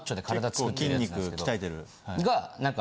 結構筋肉鍛えてる。